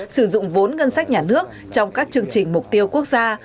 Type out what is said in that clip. sử dụng vốn ngân sách nhà nước trong các chương trình mục tiêu quốc gia